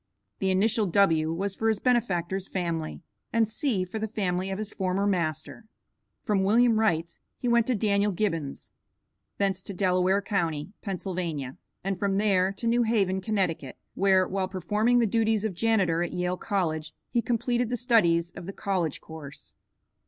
The initial W. was for his benefactor's family, and C. for the family of his former master. From William Wright's he went to Daniel Gibbons', thence to Delaware county, Pennsylvania, and from there to New Haven, Conn., where, while performing the duties of janitor at Yale College, he completed the studies of the college course.